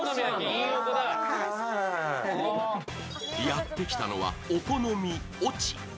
やってきたのは、お好み・越智。